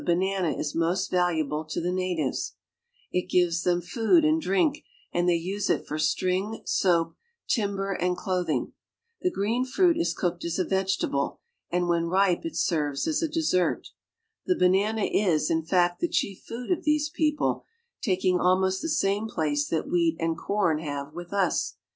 banana is most valuable to the natives, It gives them ifood and drink, and they use it for string, soap, timber, land clothing. The green fmit is cooked as a vegetable, Kand when ripe it serves as a dessert. The banana is, in t'fact, the chief food of these people, taking almost the K«ame place that wheat and corn have with us.